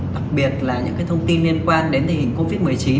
đặc biệt là những thông tin liên quan đến tình hình covid một mươi chín